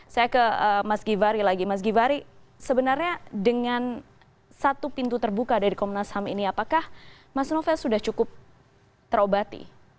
saya ke mas givhary lagi mas givhary sebenarnya dengan satu pintu terbuka dari komnas ham ini apakah mas novel sudah cukup terobati